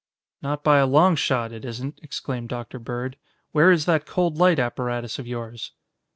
"Not by a long shot, it isn't," exclaimed Dr. Bird. "Where is that cold light apparatus of yours?"